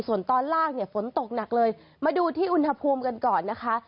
ส่วนตอนล่างเนี่ยฝนตกหนักเลยมาดูที่อุณหภูมิกันก่อนนะคะ